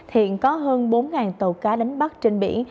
hiện có hơn bốn tàu cá đánh bắt trên biển